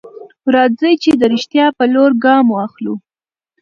راځئ چې د رښتيا په لور ګام واخلو.